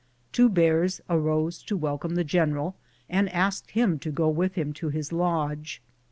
Two Bears arose to welcome the general, and asked him to go with him to his lodge.